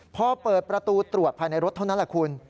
พอเปิดประตูตรวจภายในรถเท่านั้นแหละคุณ